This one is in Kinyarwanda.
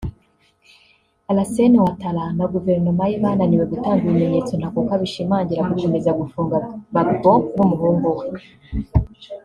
Alassane Ouattara na Guverinoma ye bananiwe gutanga ibimenyetso ntakuka bishimangira gukomeza gufunga Gbagbo n’Umuhungu we